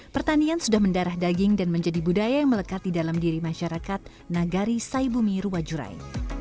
pertanian sudah mendarah daging dan menjadi budaya yang melekat di dalam diri masyarakat nagari saibumi ruwajurai